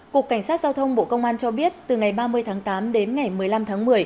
cục cảnh sát giao thông bộ công an cho biết từ ngày ba mươi tháng tám đến ngày một mươi năm tháng một mươi